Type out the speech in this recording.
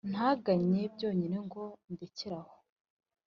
Ntaganye byonyine ngo ndekere aho.